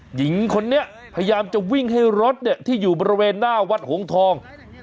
หญิงคนนี้พยายามจะวิ่งให้รถที่อยู่บริเวณหน้าวัดหงทอง